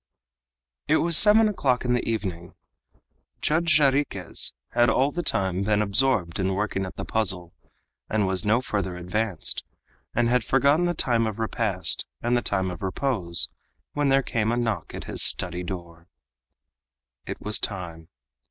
It was seven o'clock in the evening. Judge Jarriquez had all the time been absorbed in working at the puzzle and was no further advanced and had forgotten the time of repast and the time of repose, when there came a knock at his study door. It was time.